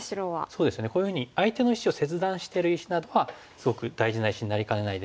そうですよねこういうふうに相手の石を切断してる石などはすごく大事な石になりかねないですし。